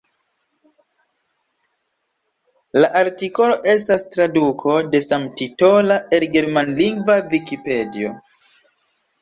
La artikolo estas traduko de samtitola el la germanlingva Vikipedio.